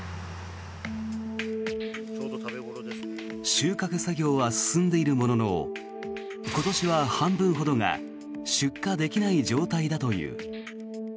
収穫作業は進んでいるものの今年は半分ほどが出荷できない状態だという。